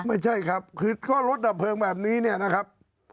ไม่ใช่ครับคือก็รถดับเพลิงแบบนี้เนี่ยนะครับ